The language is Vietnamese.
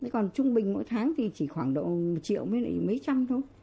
còn trung bình mỗi tháng thì chỉ khoảng độ một triệu mấy trăm thôi